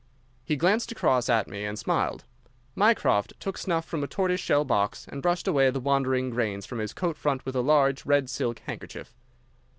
He glanced across at me and smiled. Mycroft took snuff from a tortoise shell box, and brushed away the wandering grains from his coat front with a large, red silk handkerchief.